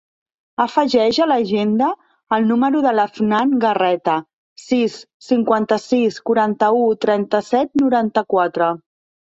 Afegeix a l'agenda el número de l'Afnan Garreta: sis, cinquanta-sis, quaranta-u, trenta-set, noranta-quatre.